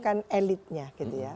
kan elitnya gitu ya